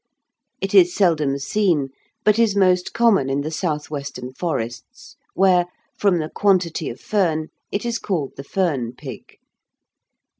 It is seldom seen, but is most common in the south western forests, where, from the quantity of fern, it is called the fern pig.